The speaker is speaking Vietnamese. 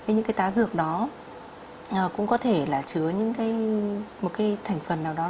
những cái tá dược đó cũng có thể là chứa những thành phần nào đó